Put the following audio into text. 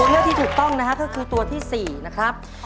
เลือกที่ถูกต้องนะฮะก็คือตัวที่๔นะครับ